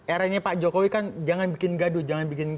era nya pak jokowi kan jangan bikin gaduh